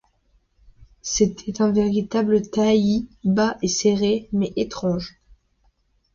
C’était un véritable taillis, bas et serré, mais étrange.